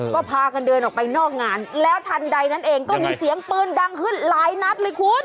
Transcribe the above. ก็พากันเดินออกไปนอกงานแล้วทันใดนั้นเองก็มีเสียงปืนดังขึ้นหลายนัดเลยคุณ